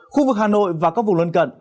khu vực hà nội và các vùng lân cận